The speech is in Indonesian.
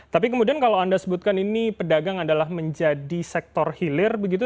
tapi kemudian kalau anda sebutkan ini pedagang adalah menjadi sektor hilir begitu